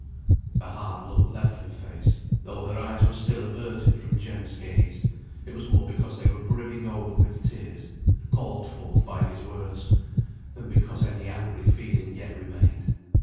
The hard look left her face; though her eyes were still averted from Jem's gaze, it was more because they were brimming over with tears, called forth by his words, than because any angry feeling yet remained.